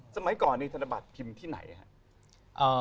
สมัยก่อนธรรมบาทพิมพ์ที่ไหนฮะ